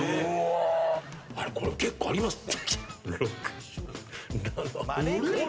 あれこれ結構あります。